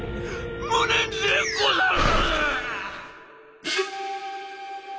無念でござる！」。